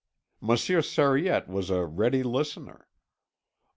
Monsieur Sariette was a ready listener.